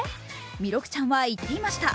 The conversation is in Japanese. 弥勒ちゃんは言っていました